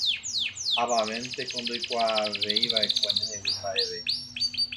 Avavénteko ndoikuaavéiva'ekue ndehegui mba'eve